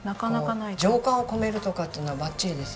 情感を込めるとかっていうのはバッチリですよ。